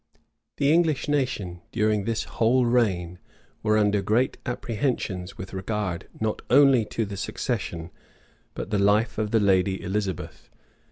The English nation, during this whole reign, were under great apprehensions with regard not only to the succession, but the life of the lady Elizabeth.